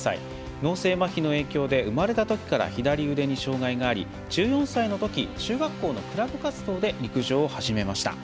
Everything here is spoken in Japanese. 脳性まひの影響で生まれたときから左腕に障がいがあり１４歳のとき中学校のクラブ活動で陸上を始めました。